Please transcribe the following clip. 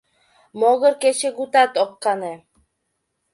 Могыр кечыгутат ок кане.